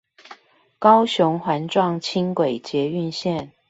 高雄環狀輕軌捷運線